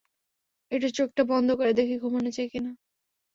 একটু চোখটা বন্ধ করে দেখি ঘুমানো যায় কিনা।